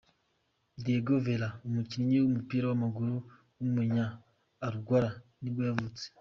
Diego Vera, umukinnyi w’umupira w’amaguru w’umunya Uruguay nibwo yavutse.